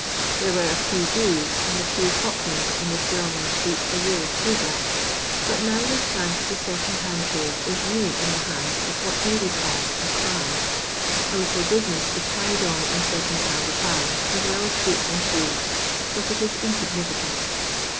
There were a few Jews and a few cock neys in this well known street a year or two back, but now this branch of the second hand trade is really in the hands of what may be called a clan. A little business is carried on in second hand apparel, as well as boots and shoes, but it is insignificant.